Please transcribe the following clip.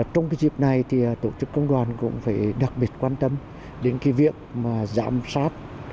trong dịp này thì tổ chức công đoàn cũng phải đặc biệt quan tâm đến cái việc mà giám sát